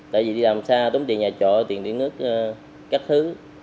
tại vì đi làm xa tống tiền nhà trọ tiền điện nước các thứ